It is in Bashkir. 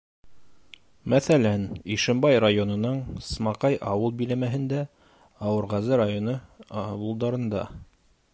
Мәҫәлән, Ишембай районының Смаҡай ауыл биләмәһендә, Ауырғазы районы ауылдарында.